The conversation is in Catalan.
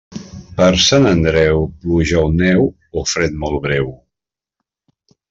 Per Sant Andreu, pluja o neu o fred molt breu.